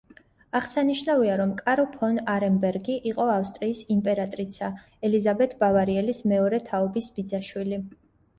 აღსანიშნავია, რომ კარლ ფონ არენბერგი იყო ავსტრიის იმპერატრიცა ელიზაბეთ ბავარიელის მეორე თაობის ბიძაშვილი.